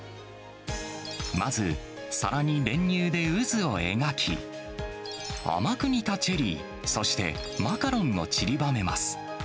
まず、さらに練乳で渦を描き、甘く煮たチェリー、そしてマカロンを散りばめます。